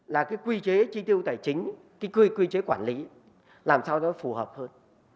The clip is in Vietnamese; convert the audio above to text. là cái quy chế chi tiêu tài chính cái quy chế quản lý làm sao cho nó phù hợp hơn